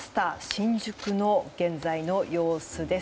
新宿の現在の様子です。